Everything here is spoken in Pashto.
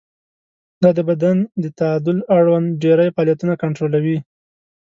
دا د بدن د تعادل اړوند ډېری فعالیتونه کنټرولوي.